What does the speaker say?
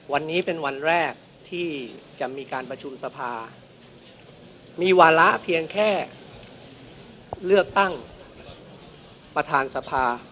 วันนี้เป็นวันแรกที่จะมีการประชุมสภามีวาระเพียงแค่เลือกตั้งประธานสภา